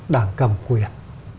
đảng cầm quyền